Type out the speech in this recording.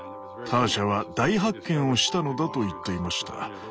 ターシャは大発見をしたのだと言っていました。